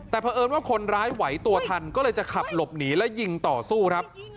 แต่เพราะเอิญว่าคนร้ายไหวตัวทันก็เลยจะขับหลบหนีและยิงต่อสู้ครับ